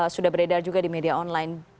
sudah beredar juga di media online